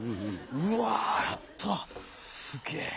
うわやったすげぇ。